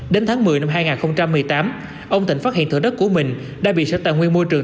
đến tháng một mươi năm hai nghìn một mươi tám ông thịnh phát hiện thửa đất của mình đã bị sở tài nguyên môi trường